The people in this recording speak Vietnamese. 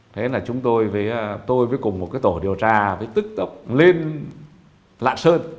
thế là chúng tôi với tôi với cùng một cái tổ điều tra với tức tốc lên lạ sơn